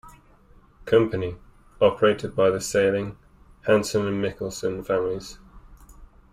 Company, operated by the Sailing, Hanson and Michelson families.